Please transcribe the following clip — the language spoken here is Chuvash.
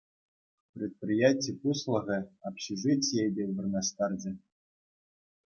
Предприяти пуҫлӑхӗ общежитие те вырнаҫтарчӗ.